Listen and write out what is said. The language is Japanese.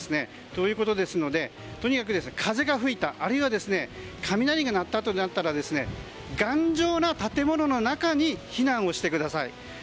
ということですのでとにかく風が吹いたあるいは雷が鳴ったら頑丈な建物の中に避難をしてください。